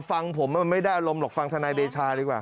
ฟังผมไม่ได้อารมณ์หรอกฟังที่สุดในเดชาคอยดีกว่า